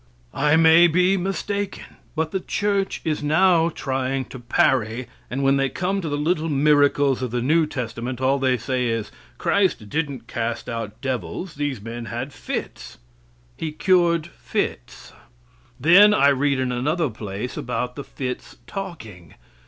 I may be mistaken; but the church is now trying to parry, and when they come to the little miracles of the new testament all they say is: "Christ didn't cast out devils; these men had fits." He cured fits. Then I read in another place about the fits talking.